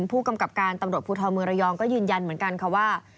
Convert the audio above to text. ผู้กำกับการตำรวจภูทรเมืองระยองก็ยืนยันเหมือนกันค่ะว่า